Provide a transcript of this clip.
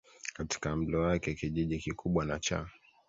katika mlo wake Kijiji kikubwa na cha